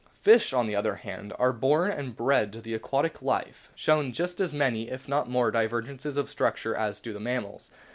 Fishes, on the other hand, which are born and bred to the aquatic life, show just as many (if not more) divergences of structure as do the mammals.